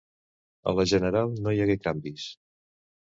A la general no hi hagué canvis.